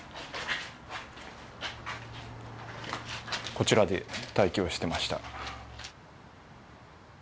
こちらで待機をしていました。